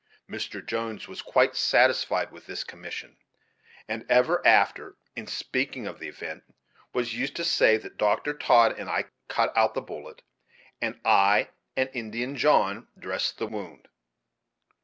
Mr. Jones was quite satisfied with this commission; and ever after, in speaking of the event, was used to say that "Dr. Todd and I cut out the bullet, and I and Indian John dressed the wound."